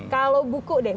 kalau buku deh